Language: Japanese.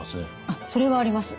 あっそれはあります。